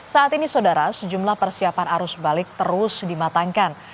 saat ini saudara sejumlah persiapan arus balik terus dimatangkan